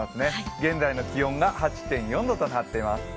現在の気温が８．４度となっています